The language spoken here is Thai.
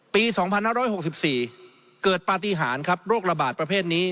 ปี๒๕๖๔เกิดปฏิหารครับโรคระบาดประเภทนี้